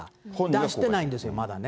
出してないんですよ、まだね。